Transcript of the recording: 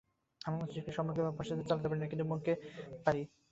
আমরা মস্তিষ্ককে সম্মুখে বা পশ্চাতে চালাতে পারি না, কিন্তু মনকে পারি।